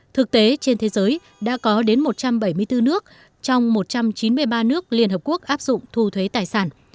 thực tế trên thế giới đã có đến một trăm bảy mươi bốn nước trong một trăm chín mươi ba nước liên hợp quốc áp dụng thu thuế tài sản